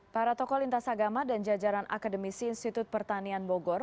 para tokoh lintas agama dan jajaran akademisi institut pertanian bogor